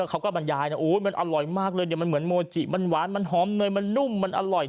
เขาก็บรรยายนะมันอร่อยมากเลยเนี่ยมันเหมือนโมจิมันหวานมันหอมเนยมันนุ่มมันอร่อย